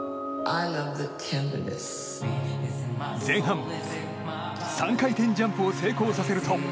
前半、３回転ジャンプを成功させると。